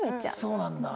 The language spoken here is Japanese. そうなんだ。